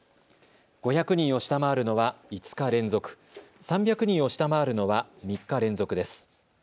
５００人を下回るのは５日連続、３００人を下回るのは３日連続です。